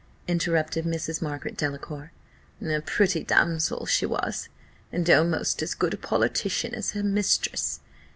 interrupted Mrs. Margaret Delacour. "A pretty damsel she was, and almost as good a politician as her mistress.